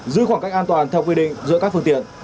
giữ khoảng cách an toàn theo quy định giữa các phương tiện